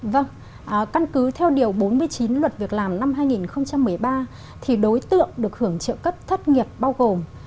vâng căn cứ theo điều bốn mươi chín luật việc làm năm hai nghìn một mươi ba thì đối tượng được hưởng trợ cấp thất nghiệp bao gồm